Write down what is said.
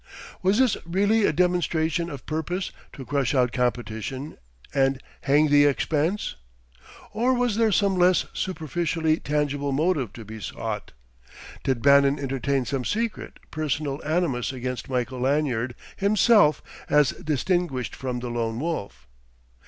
Was this really a demonstration of purpose to crush out competition "and hang the expense"? Or was there some less superficially tangible motive to be sought? Did Bannon entertain some secret, personal animus against Michael Lanyard himself as distinguished from the Lone Wolf?